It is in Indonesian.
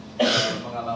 menurun seperti itu